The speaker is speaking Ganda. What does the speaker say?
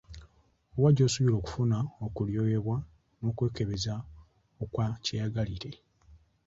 Wa gy’osobola okufuna okulyoyebwa n’okwekebeza okwa kyeyagalire?